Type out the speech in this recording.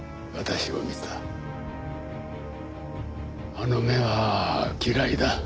あの目は嫌いだ。